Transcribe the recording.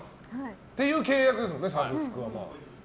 っていう契約ですもんねサブスクは。